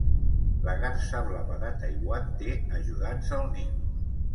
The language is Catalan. La garsa blava de Taiwan té ajudants al niu.